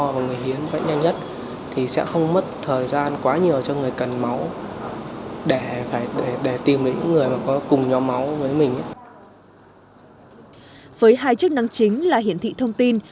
với hai chức năng chính là hiển thị thông tin